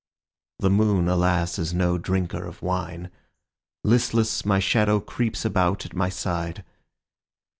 The moon, alas, is no drinker of wine; Listless, my shadow creeps about at my side.